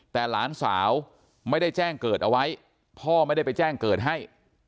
แต่หลานสาวไม่ได้แจ้งเกิดเอาไว้พ่อไม่ได้ไปแจ้งเกิดให้